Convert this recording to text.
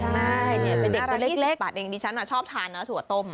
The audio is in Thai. ในแบบอาราณีสุดเด็กดิฉันอ่ะชอบทานนะถั่วต้ม